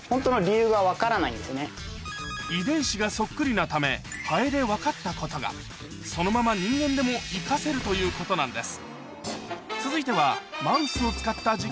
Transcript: なためハエで分かったことがそのまま人間でも生かせるということなんです